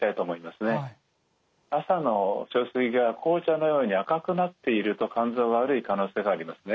朝の小水が紅茶のように赤くなっていると肝臓が悪い可能性がありますね。